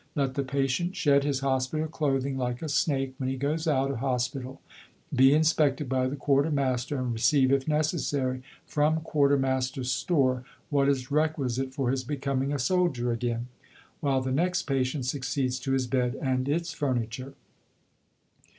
Let the Patient shed his Hospital clothing like a snake when he goes out of Hospital, be inspected by the Quarter Master, and receive, if necessary, from Quarter Master's store what is requisite for his becoming a soldier again. While the next patient succeeds to his bed and its furniture.